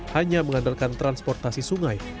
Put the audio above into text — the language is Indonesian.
hanya mengandalkan transportasi sungai